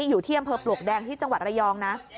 อยู่ที่อำเภอปลวกแดงที่จังหวัดระยองนะ